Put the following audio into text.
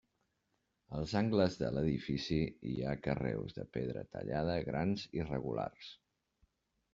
Als angles de l'edifici hi ha carreus de pedra tallada grans i regulars.